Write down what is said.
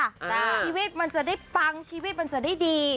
ชีวิตมันจะได้ปังชีวิตมันจะได้ดี